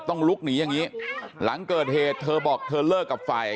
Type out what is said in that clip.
ลุกหนีอย่างนี้หลังเกิดเหตุเธอบอกเธอเลิกกับฝ่าย